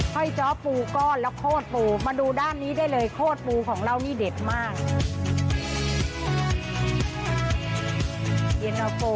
้อยจ้อปูก้อนและโคตรปูมาดูด้านนี้ได้เลยโคตรปูของเรานี่เด็ดมาก